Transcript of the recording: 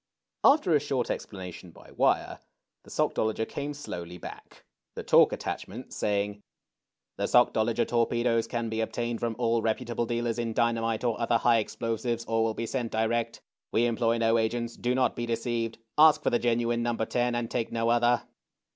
After a short explanation by wire, the Sockdolager came slowly back, the talk attachment saying : The Sockdolager torpedoes can be obtained from all reputable dealers in dynamite or other high ex plosives, or will be sent direct. We employ no agents. Do not be deceived. Ask for the genuine No. 10, and take no other."